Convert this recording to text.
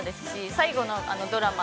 最後のドラマ？